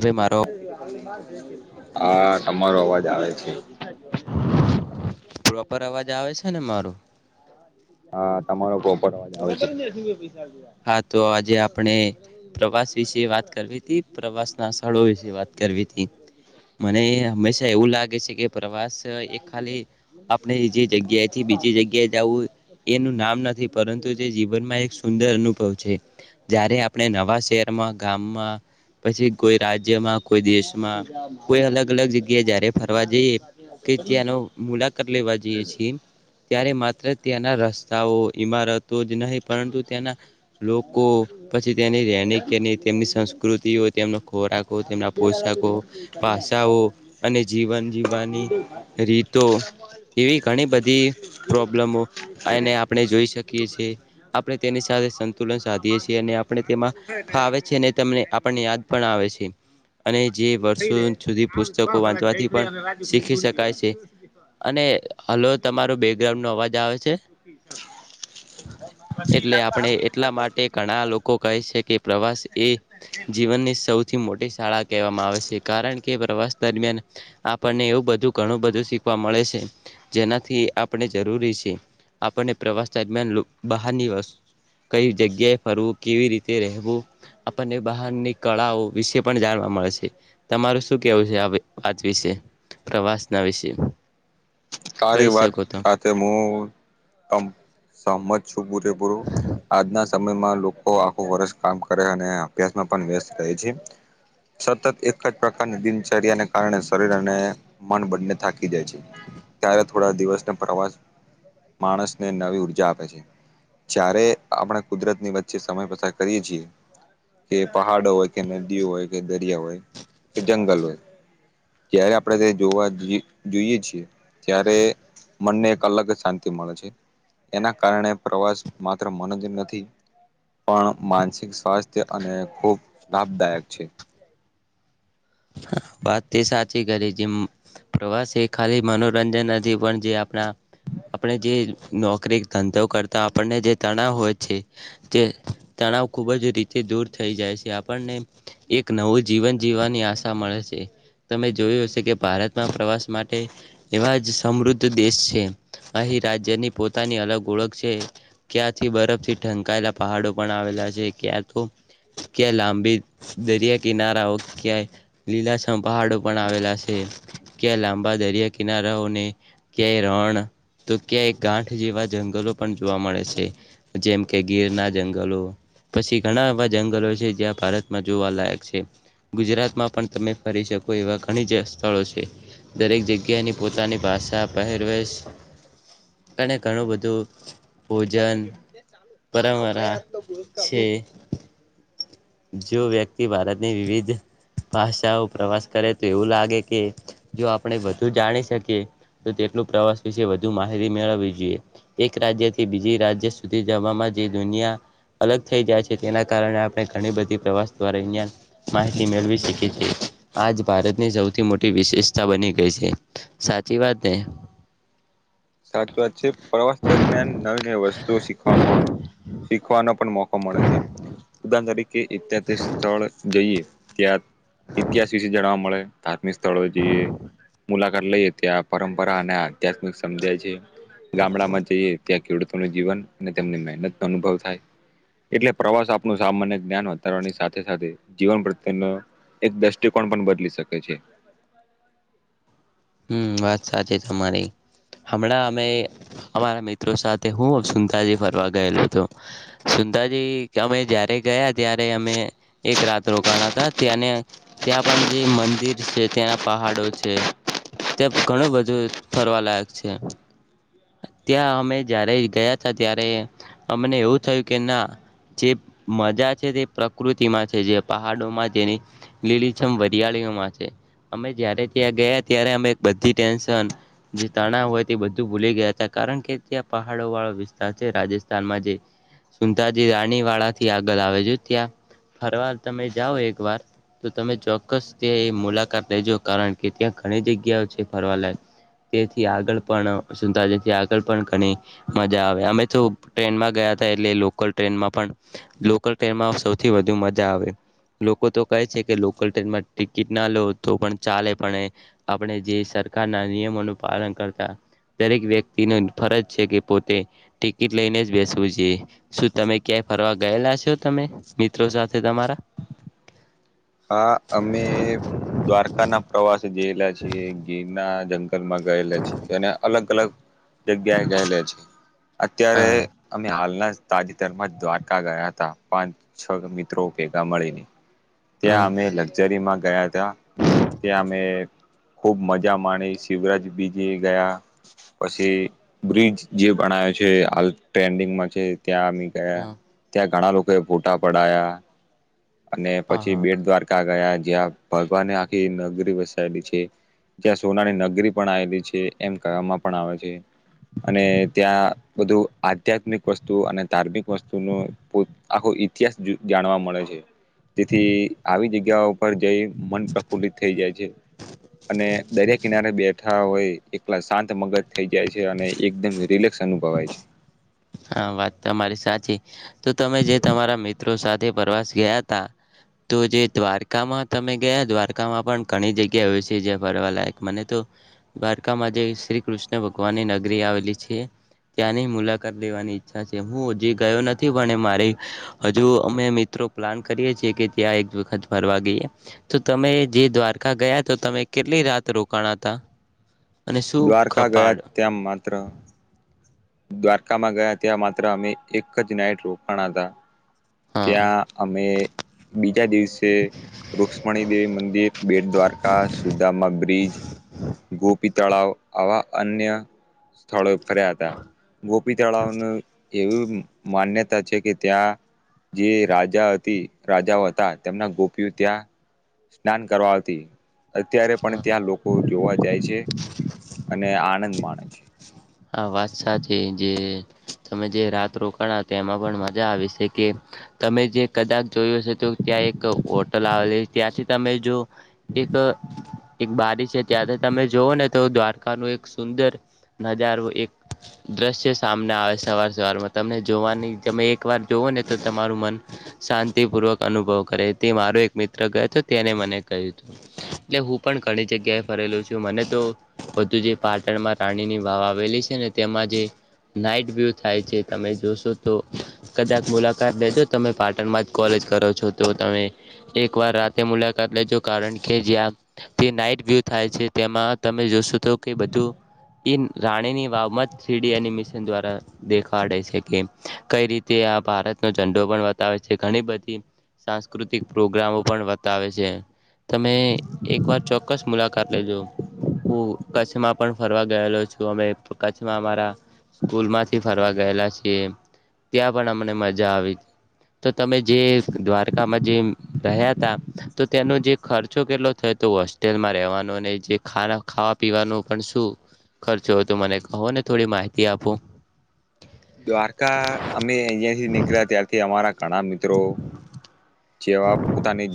ભાઈ મારો [unintelligible] તમારો અવાજ આવે છે પ્રોપર અવાજ આવે છે ને મારો હા તમારો પ્રોપર આવાજ આવે છે હા તો આજે આપણે પ્રવાસ વિશે વાત કરવી હતી પ્રવાસના સ્થળો વિશે [inaudible] વાત કરવિતી મને હંમેશા એવું લાગે છે કે પ્રવાસ એ ખાલી આપણે એ જે જગ્યાએથી બીજી જગ્યાએ જવું એનું નામ નથી પરંતુ જે જીવનમાં એક સુંદર અનું ભાવ છે જયારે આપણે નવા શહેરમાં ગામમાં પછી કોઈ રાજ્યમાં કોઈ દેશમાં કોઈ અલગ અલગ જગ્યા જ્યારે ફરવા જઈએ કે ત્યાંનો મુલાકાત લેવા જઈએ છીએ ત્યારે માત્ર ત્યાંના રસ્તાઓ ઈમારતો જ નહીં પરંતુ ત્યાંના લોકો પછી તેની રહેની કેની તેમની સંસ્કૃતિઓ તેમના ખોરાક તેમના પોસાક જીવન જીવવાની રીતો એવી [unintelligible] ઘણી બધી પ્રોબ્લમો એને આપણે જોઈ શકીએ છીએ આપણે તેની સાથે સંતુલન સાધીએ છીએ અને આપણે તેમાં ફાવે છે અને તમને આપણને યાદ પણ આવે છે અને જે વર્ષો સુધી પુસ્તકો વાંચવાથી પણ શીખી શકાય છે અને હલો તમારો બેકગ્રાઉન્ડ નો અવાજ આવે છે [inaudible] એટલે આપણે એટલા માટે ઘણા લોકો કહે છે કે પ્રવાસ એ જીવનની સૌથી મોટી શાળા કહેવામાં આવે છે કારણ કે પ્રવાસ દરમિયાન આપણને એવું બધું ઘણું બધું શીખવા મળે છે જેનાથી આપણે જરૂરી છે આપણને પ્રવાસ દરમિયાન બહારની કઈ જગ્યાએ ફરવું કેવી રીતે રહેવું આપણને બહારની કળાઓ વિશે પણ જાણવા મળે પછ તમારું શું કેવું છે આ વાત વિશે પ્રવાસના વિશે કહી તારી વાત શકો તમે સાથે હું સમત બરેપૂ આદના સમયમાં લોકો આખું વર્ષ કામ કરે અને અભ્યાસમાં પણ વ્યસ્ત રહે છે સતત એક જ પ્રકારની દિનચર્યાને કારણે શરીર અને મન બંને થાકી જાય છે ત્યારે થોડા દિવસને પ્રવાસ માણસને નવી ઉર્જા આપે છે જારે આપણે કુદરત ની વચ્ચે સમય પસાર કરીએ છીએ કે પહાડો હોય કે નદીઓ હોય કે દરિયા હોય કે જંગલ હોય ત્યારે આપડે ત જોવા જોઈએ છીએ ત્યારે મનને એક અલગ જ શાંતિ મળે છે એના કારણે પ્રવાસ માત્ર મનજ નથી પણ માનસિક સ્વાસ્થ્ય અને ખૂબ લાભદાયક છે હા વાત તે સાચી કરીે છે પ્રવાસે એ ખાલી મનોરંજન નથી પણ જે આપણા આપણે જે નોકરી ધંધો કરતા આપણને જે તણાવ હોય છે તે તણાવ ખૂબ જ રીતે દૂર થઈ જાય છે આપણને એક નવું જીવન જીવવાની આશા મળે છે તમે જોયું હશે કે ભારતમાં પ્રવાસ માટે એવા જ સમૃદ્ધ દેશ છે અહીં રાજ્યની પોતાની અલગ ઓળખ છે ક્યાંથી બરફથી ઢંકાયેલા પહાડો પણ આવેલા છે ક્યાં તો ક્યાં લાંબી દરિયા કિનારાઓ કં લીલાછમ પહાડો પણ આવેલા છે ક્યાં લાંબા દરિયા કિનારાઓને ક્યાંય રણ તો ક્યાંય ગાંઠ જેવા જંગલો પણ જોવા મળે છે જેમ કે ગીર ના જંગલો પછી ઘણા એવા જંગલો છે જ્યાં ભારતમાં જોવાલાયક છે ગુજરાતમાં પણ તમે ફરી શકો એવા ઘણી જ સ્થળો છે દરેક જગ્યાની પોતાની ભાષા પહેર અને ઘણું બધું ભોજન પરરારા છે જો વ્યક્તિ ભારતની વિવિધ ભાષાઓ પ્રવાસ કરે તો એવું લાગે કે જો આપણે વધુ જાણી શકીએ તો તેટલું પ્રવાસ વિશે વધુ માહિતી મેળવવી જોઈએ એક રાજ્ય થી બીજી રાજ્ય સુધી જવામાં જે દુનિયા અલગ થઈ જાય છે તેના કારણે આપણે ઘણી બધી પ્રવાસ દ્વારા માહિતી મેળવી શકીએ છીએ આજ ભારતની સૌથી મોટી વિશેષતા બની ગઈ છે સાચી વાત ને [inaudible] સાચ વાત છે પ્રવાસ દરમિયાન નવી નવી વસ્તુઓ શીખવા શીખવાનો પણ મોકો મળે છે ઉદહણ તરીકે સ્થળ જઈએ ત્યાં ઇતિહાસ વિશે જાણવા મળે ધાર્મિક સ્થળો જઈએ મુલાકાત લઈએ ત્યાં પરંપરા અને આધ્યાત્મિક સમજ્યા છે ગામડા માં જઈએ ત્યાં ખેડૂતો ન જીવન અને તેમની મહેનત નો અનુભવ થાય એટલે પ્રવાસ આપનું સામાન્ય જ્ઞાન વધારવાની સાથે સાથે જીવન પ્રત્યે એક દ્રષ્ટિકોણ પણ બદલી શકે છે હમ વાત સાચી તમારી હમણાં અમે અમારા મિત્રો સાથે હું સુુંતાજી ફરવા ગયેલો હતોું અંધાજી અમે જયારે ગયા ત્યારે અમે એક રાત રોકાણ હતા ત્યાંને ત્યાં પણ જે મંદિર છે ત્યાંના પહાડો છે ત્યાં ઘણું બધું ફરવા લાયક છે ત્યાં અમે જારે ગયા હતા ત્યારે અમને એવું થયું કે ના જે મજા છે તે પ્રકૃતિમાં છે જે પહાડોમાં જેની લીલીછમ વરિયાળી અમે જયારે ત્યાં ગયા ત્યારે અમે બધી ટેન્શન જે તણાાવ હોય તે બધું ભૂલી ગયા હતા કારણ કે ત્યાં પહાડો વાળા વિસ્ છે રાજસ્થાન જે સુંતાજી રાણી વાળા થી આગળ આવે છે ત્યાં ફરવાર તમે જાઓ એક વાર તો તમે ચોક્કસ ત્યા એ મુલાકાત લેજો કારણ કે ત્યાં ઘણી જગ્યાઓ છે ફરવાલાયક તેથી આગળ પણ સુંતાજીથી આગળ પણ ઘણી મજા આવે અમે તો ટ્રેનમાં ગયા એટલ ટ્રેનમાં પણ લોકલ ટ્રેનમાં સૌથી વધુ મજા આવે લોકો તો કહે છે કે લોકલ ટ્રેનમાં ટિકિટ ના લો તો પણ ચાલે પણ આપણે જે સરકારના નિયમોનું પાલન કરતા દરેક વ્યક્તિ ન ફરજ છે કે પોતે ટિકિટ લઈને જ બેસવું જોઈએ શું તમે કે ફરવા ગયેલા છો તમે મિત્રો સાથે તમારા [inaudible] હા અમે દ્વારકા ના પ્રવાસે જયેલા છીએ ગીરના જંગ માં ગયે છે અનેને અલગ અલગ જગ્યાએ ગહેલે છે અત્યારે હા અમે હાલના તાજેતરમાં દ્વારકા ગયા હતા પાંચ છ મિત્રો ભેગા મળીલી હ ત્યાં અમે લક્ઝરીમાં ગયા હતા ત્યાં અમે ખુબ મજા માણી શિવરાજ બીજ ગયા પછી બ્રિજ જે ભણ છે હાલ ટ્રેન્ડિંગમાં છે ત્યાં અી ગયા હા ત્યાં ઘણા લોકો એ ફોટા પડાયા અને હા પછી હા બેટ દ્વારકા ગયા જ્યાં ભગવાને આખી નગરી વસેાયેલી છે જ્યાં સોનાની નગરી પણ આવેલી છે એમ કવામાં પણ આવે છે અને ત્યાં બધું આધ્યાત્મિક વસ્તુ અને ધાર્મિક વસ્તુ ન આખો ઇતિહાસ જાણવા મળે છે તેથી આવી જગ્યા ઉપર જઈ મન પ્રફુલ્લિત થઈ જાય છે અને દરિયા કિનારે બેઠા હોય એકલા શાંત મગજ થઈ જાય છે અને એકદમ રિલેક્સ અનુભવાય છે હા વાત તમારી સાચી તો તમે જે તમારા મિત્રો સાથે પ્રવાસ ગયા હતા તો જે દ્વારકામાં તમે ગયા દ્વારકામાં પણ ઘણી જગ્યા હો છે જ્યાં ફરવાલાયક મને તો દ્વારકામાં જે શ્રી કૃષ્ણ ભગવાનની નગરી આવેલી છે ત્યાંની મુલાત દેવાની ઈચ્છા છે હું હજી ગયો નથી પણ મારી હજુ અમે મિત્રો પ્લાન કરીએ છએ કે ત્યાં એક વખત ફરવા ગઈએ તો તમે જે દ્વારકા ગયા તો તમે કેટલી રાત રોકાણ ઘણાતા દ્વારકા ગયા તેમ માત્ર દ્વારકામાં ગયા ત્યાં માત્ર અમે એક જ નાઇટ રોપણ હતા હા ત્યાં અમે બીજા દિવસે રુક્ષ્મણી દેવી મંદિર, બેટ દ્વારકા, સુદામા બ્રિજ, ગોપી તળાવ આવા અન્ય સ્થળો ફર્યા તા ગોપી તળાવનું એવી માન્યતા છે કે ત્યાં જે રાજા હતી રાજાઓ હતા તેમના ગોપીઓ ત્યાં સ્નાન કરવા આવતી અત્યારે પણ ત્યાં લોકો જોવા જાય છે અને આનંદ માણ આ વાત સાચી જે તમે જે રાત રોકાણા તેમાં પણ મજા આવી છે કે તમે જે કદાક જોયું હશે તો ત્યા એક હોટલ આવેલી ત્યાંથી તમે જો એક એક બારી છે ત્યાંથી તમે તમે જઓ ને તો દ્વારકા નું એક સુંદર નજારું એક દ્રશ્ય સામને આવે સવાર સવારમાં તમને જોવાની તમે એક વાર જોવો ન તો તમારું મન શાંતિપૂર્વક અનુભવ કરે તે મારો એક મિત્ર ગયો હતો તેને મને કહ્યું એટલે હું પણ ઘણી જગ્યાએ ફરેલું છું મને તો બધું જે પાટણમાં રાણીની વાવ આવેલી છે ને તેમાં જે નાઈટ વ્યુ થાય છે તમે જોશો તો કદાચ મુલાકાત લેજો તમે પાટણમાં જ કોલે કરો છો તો તમે એક વાર રાતે મુલાકાત લેજો કારણ કે જ્યાં થી નાઈટ વ્યુ થાય છે તેમાં તમે જો શું તો કે બધું એ રાણીની વાવમાં થ્રીડી એનિમિશન દ્વારા દેખાડે છે કે કઈ રીતે આ ભારતનો ઝંડો પણ બતાવે છે ઘણી બધી સાંસ્કૃતિક પ્રોગ્રામો પણ વતાવે છે. તમે એક વાર ચોક્કસ મુલાકાત લેજો હું કચ્છમાં પણ ફરવા ગયેલો છું અમે કચ્છમાં અમારા સ્કૂલમાંથી ફરવા ગયેલા છીએ. ત્યાં પણ અમને મજા આવી તો તમે જે દ્વારકામાં જે રહ્યા ત તો તેનો જે ખર્ચો કેટલો થ તો હોસ્ટેલમાં રહેવાનું જે ખાવા પીવાનું પણ શું ખર્ચો હોય તો મને કો ને થોડી માહિતી આપો દ્વારકા અમે અહિયાં થી નીકળ્યા ત્યારથી અમારા ઘણા મિત ત્રો જેવા પોતાની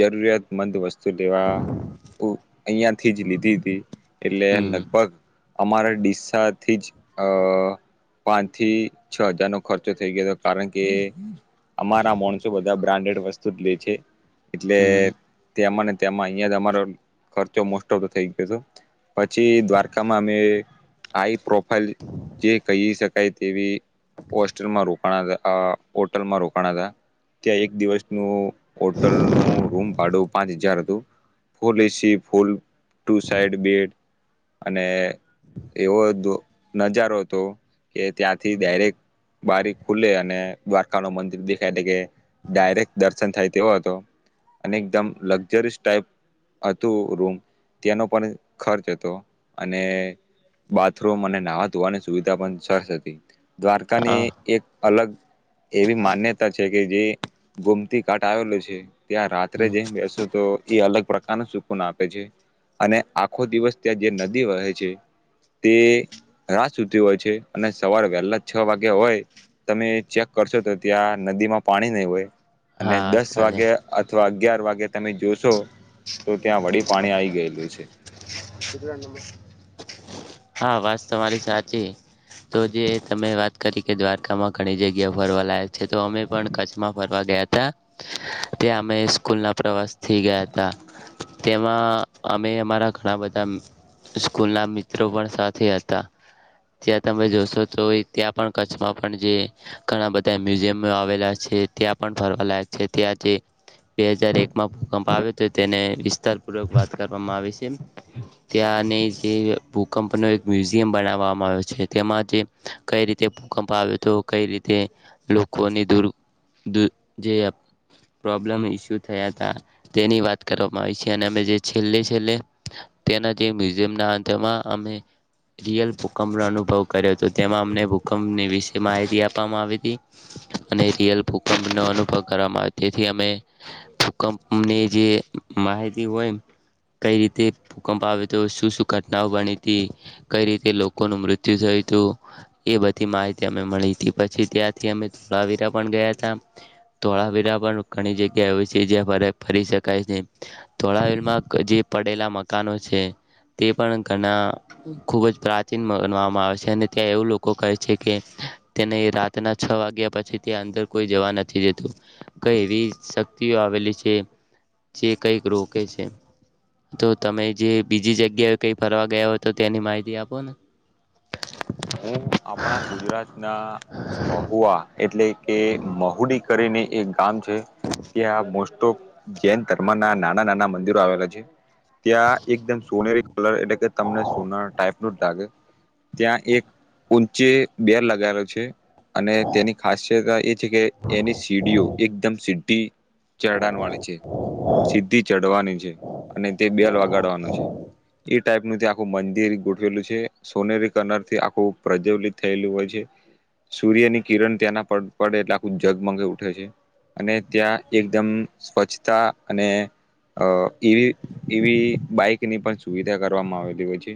જરૂરિયાતમંદ વસ તુ દવા અય્યાથી જ લીધી હતી એટલે હમ લગભગ અમારા ડીસ્સાથી જ અ પાંચ થી છ હજાર નો ખર્ચો થઈ ગયો હતો કારણ કે અમારા માણસો બધા બ્રાન્ડેડ વસ્તુ જ લે છે એટલે હમ તે અમને તેમાં અહિયાં જ અમારો ખર્ચો મોસ્ટ ઓફ થઈ ગયો પછી દ્વારકામાં અમે આઈ પ્રોફાઈલ જે કહી શકાય તેવી હોસ્ટેલમાં રોકાણ હોટલમાં રોકાણ હતા ત્યાં એક દિવસનું હોટલનું રૂમ ભાડું પાંચ હજાર હતું full AC full two side bed અને એવો નજારો હતો કે ત્યાંથી ડાયરેક બારી ખુલે અને દ્વારકા નું મંદિર દેખાય એટલે કે ડાયરેક્ટ દર્શન થાય તેવો હતો અને એકદમ લક્ઝરીસ ટાઈપ હતું રૂમ ત્યાનો પણ ખર્ચ હતો અને બાથરૂમ અને નાહવા ધોવાની સુવિધા પણ સરસ હતી દ્વારકાની હા એક અલગ એવી માન્યતા છે કે જે ગુમતી કાટ આવેેલ છે ત્યાં રાત્રે હમ જેમ બેસો તો એ અલગ પ્રકારનું સુકુન આપે છે અને આખો દિવસ ત્યાં જે નદી વહે છે તે રા સુતી હોય છે અને સવાર વહેલા છ વાગ્યા હોય તમે ચેક કરશો તો ત્યાં નદીમાં પાણી નહીં હોય અને હા દસ સાથે વાગે અથવા અગિયાર વાગે તમે જોશો તો ત્યાં વળી પાણી આવી ગયેલું છે હા વાત તમારી સાચી તો જે તમે વાત કરી કે દ્વારકામાં ઘણી જગ્યા ફરવા લયા છે તો અમે પણ કચ્છમાં ફરવા ગયા હતા ત્યા અમે સ્કૂલ ના પ્રવાસ થી ગયા તા તેમાં અમે અમારા ઘણા બધા સ્કૂલના મિત્રો પણ સાથે હતા ત્યાં તમે જોશો તો ત્યાં પણ કચ્છમાં પણ જે ઘણા બધા મ્યુઝિયમ આવેલા છે જે ત્યાં પણ ફરવાલાયક છે ત્યાં જે બે હજાર એકમાં ભૂકંપ આવ્યો તો તેને વિસ્તાર પૂર્વક વાત કરવામાં આવે છે ત્યાંની જે ભૂકંપનો એક મ્યુઝિયમ બનાવવામાં આવ્યો છે તેમાં જે કઈ રીતે ભૂકંપ આવે્યો તો કઈ રીતે લોકોની દૂર જે પ્રોબ્લેમ ઈસ્યુ થયા હતા તેની વાત કરવામાં આવી છે અને જે છેલ્ છેલ્ તેના જે મ્યુઝિયમ ના અંતમાં અમે રીયલ ભૂકંપનો અનુભવ કર્યો હતો તેમાં અમને ભૂકંપની વિશે માહિતી આપવામાં આવી હતી અને રિયલ ભૂકંપનો અનુભવ કરવામાં આવે તેથી અમે ભૂકંપ અમને જે માહિતી હોય એ કઈ રીતે ભૂકંપ આવ્યો હતો શું શું ઘટનાઓ બની હતી કઈ રીતે લોકોનું મૃત્યુ થયું હતુ એ બધી માહિતી એમને મળી તી પછી ત્યાંથી અ ધોળાવીરા પણ ગયા ધોળાવીરા પણ રોકાની જગ્યા એવી છે જ ફરી શકાય છે થોડા વલમાં જે પડેલા મકાનો છે તે પણ ઘણા ખૂબ જ પ્રાચીન માનવામાં આવે છે અને ત્યાં એવું લોકો કહે છે કે તેને રાતના છ વાગ્યા પછી તે અંદર કોઈ જવા નથી જતું કઈ એવી આવેલી છે જે કઈક રોકે છે તો તમે જે બીજી જગ્યાએ કઈ ફરવા ગયા હોય તો ત્યાની માહિતી આપો ને હું આપણા ગુજરાત ના મહુઆ એટલે કે મહુડી કરીને એક ગામ છે ત્યાં તો જૈન ધર્મ ના નાના નાના મંદિરો આવેલા છે ત્યાં એકદમ સોનેરી કલર એટલે કે તમને સોના ટાઈપ નું જ લાગે ત્યાં એક ઊંચે બે લગાવો છે અને તેની ખાસિયતા એ છે કે એની સીડીઓ એકદમ સીઢી ચેડાન વાળી છે સીધી ચઢવાની છે અને તે બેલ વગાડવાનું છે ટાઈપ નું ત્યાં આખું મંદિર ગોઠવેલું છે સોનેરી કલર થી આખું ખૂબ પ્રજ્વલિત થયેલું હોય છે સૂર્ય ની કિરણ ત્યાંના પડે એટલે આખું જગ મગ ઉઠે છે અને ત્યાં એકદમ સ્વચ્છતા અને અ એવી એવી બાઈકની પણ સુવિધા કરવામાં આવેલી હોયે છે